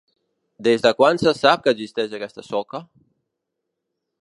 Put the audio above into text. Des de quan se sap que existeix aquesta soca?